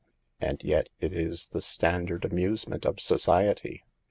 And yet it is the standard amusement of society.